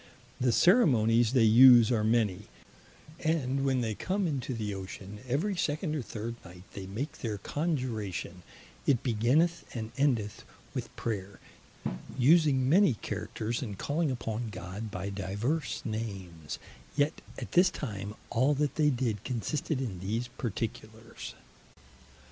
The Ceremonies they use are many, and when they come into the Ocean, every second or third night they make their Conjuration; it beginneth and endeth with Prayer, using many Characters, and calling upon God by divers names: yet at this time, all that they did consisted in these particulars.